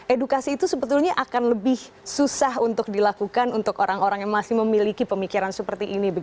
edukasi itu sebetulnya akan lebih susah untuk dilakukan untuk orang orang yang masih memiliki pemikiran seperti ini